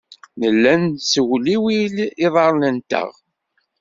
Nella nessewliwil iḍarren-nteɣ.